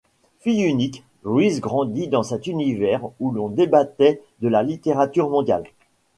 Fille unique, Louise grandit dans cet univers où l’on débattait de la littérature mondiale.